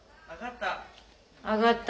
あがった。